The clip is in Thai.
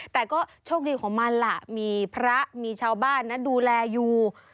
แต่ก็โชคดีของมันล่ะมีพระมีชาวบ้านดูแลอยู่